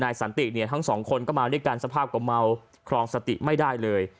สันติเนี่ยทั้งสองคนก็มาด้วยกันสภาพก็เมาครองสติไม่ได้เลย